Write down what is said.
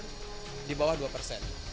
kita mendorong di bawah dua persen